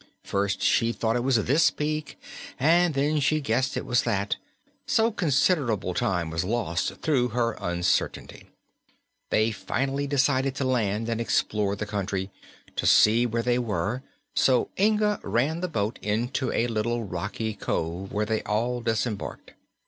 First she thought it was this peak, and then she guessed it was that; so considerable time was lost through her uncertainty. They finally decided to land and explore the country, to see where they were, so Inga ran the boat into a little rocky cove where they all disembarked.